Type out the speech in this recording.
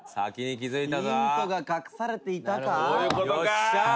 北山：ヒントが隠されていたか？